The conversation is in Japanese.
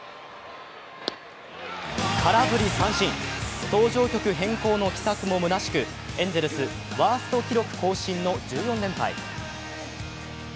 空振り三振、登場曲変更の奇策もむなしく、エンゼルス、ワースト記録更新の１４連敗。